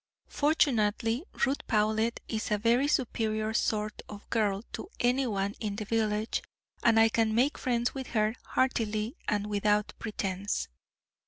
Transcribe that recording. Fortunately, Ruth Powlett is a very superior sort of girl to any one in the village, and I can make friends with her heartily and without pretence.